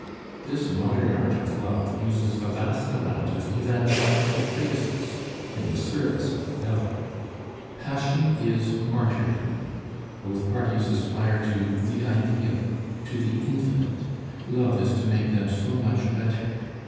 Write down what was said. This modern art of love uses a vast amount of evangelical phrases in the service of the Devil. Passion is martyrdom. Both parties aspire to the Ideal, to the Infinite; love is to make them so much better.